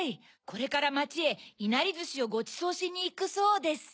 これからまちへいなりずしをごちそうしにいくそうです。